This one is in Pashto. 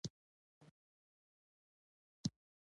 منډه د ټولو لپاره ګټوره ده